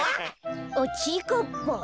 あっちぃかっぱ。